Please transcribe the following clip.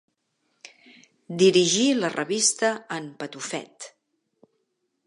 Dirigí la revista En Patufet.